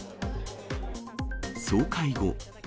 総会後。